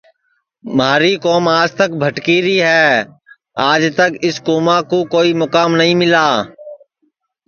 مہاری کُوم آج تک بھٹکی ری ہے آج تک اِس کُوماں کُو کوئی مُکام نائی ملا